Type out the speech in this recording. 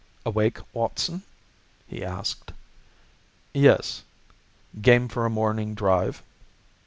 "Awake, Watson?" he asked. "Yes." "Game for a morning drive?"